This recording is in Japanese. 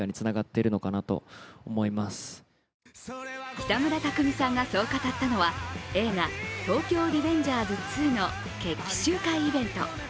北村匠海さんがそう語ったのは、映画「東京リベンジャーズ２」の決起集会イベント。